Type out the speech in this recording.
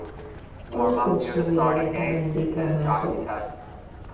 Az Oslói Egyetemen diplomázott.